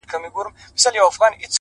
زما دردونه د دردونو ښوونځی غواړي ـ